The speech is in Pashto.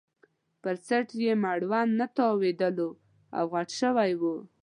پر څټ یې مړوند نه راتاوېدلو او غټ شوی وو.